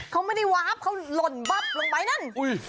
เขาไม่ได้วาบเขาหล่นบับลงไปนั่น